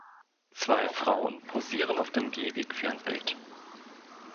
Zwei Frauen posieren auf dem Gehweg für ein Bild.